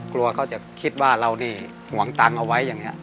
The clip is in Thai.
กลัวเขาจะคิดว่าเรานี่ห่วงตังค์เอาไว้อย่างนี้